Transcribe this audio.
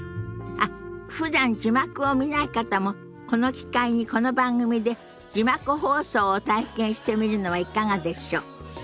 あっふだん字幕を見ない方もこの機会にこの番組で字幕放送を体験してみるのはいかがでしょ。